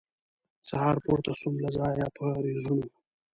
سهار پورته سوم له ځایه په رېزونو